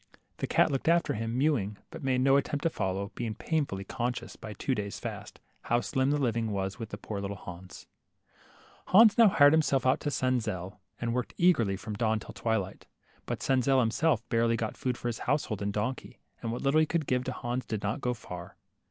The cat looked after him, mewing, but made no at tempt to follow, being painfully conscious* by two days' fast, how slim the living was with poor little Hans. Hans now hired himself out to Senzel, and worked LITTLE HANS, 27 eagerly from dawn till twilight. But Senzel himself barely got food for his household and donkey, and what little he could give Hans did not go far.